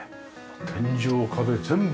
天井壁全部。